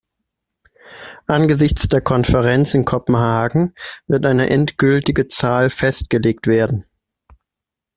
Angesichts der Konferenz in Kopenhagen wird eine endgültige Zahl festgelegt werden.